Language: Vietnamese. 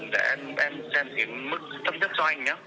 để em xem kiểm mức thấp nhất cho anh nhé